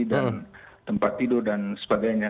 dan tempat tidur dan sebagainya